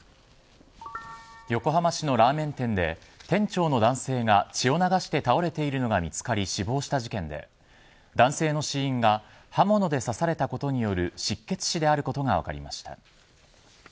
横浜市のラーメン店で店長の男性が血を流して倒れているのが見つかり死亡した事件で男性の死因が刃物で刺されたことによる失血死であることが分かりました。